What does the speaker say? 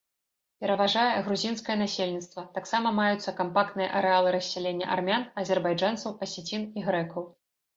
Пераважае грузінскае насельніцтва, таксама маюцца кампактныя арэалы рассялення армян, азербайджанцаў, асецін і грэкаў.